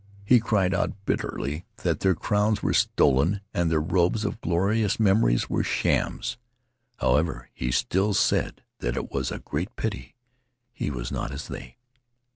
He cried out bitterly that their crowns were stolen and their robes of glorious memories were shams. However, he still said that it was a great pity he was not as they.